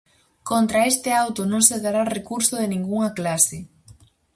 Contra este auto non se dará recurso de ningunha clase.